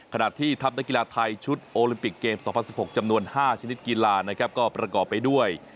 ที่ทัพนักกีฬาไทยชุดโอลิมปิกเกม๒๐๑๖จำนวน๕ชนิดกีฬานะครับก็ประกอบไปด้วย